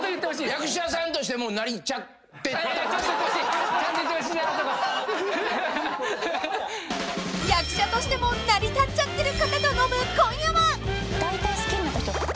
［役者としても成り立っちゃってる方と飲む今夜は］